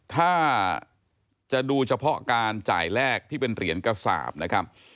ถ้าจะดูเฉพาะการจ่ายแรกที่เป็นเหรียญกระสาปนะครับ